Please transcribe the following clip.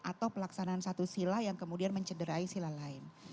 atau pelaksanaan satu sila yang kemudian mencederai sila lain